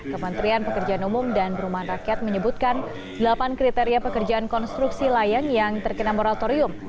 kementerian pekerjaan umum dan perumahan rakyat menyebutkan delapan kriteria pekerjaan konstruksi layang yang terkena moratorium